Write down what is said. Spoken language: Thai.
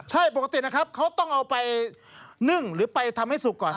ใช่ปกตินะครับเขาต้องเอาไปนึ่งหรือไปทำให้สุกก่อน